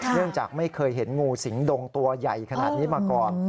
เนื่องจากไม่เคยเห็นงูสิงดงตัวใหญ่ขนาดนี้มาก่อน